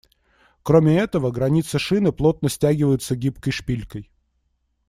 Кроме этого, границы шины плотно стягиваются гибкой шпилькой.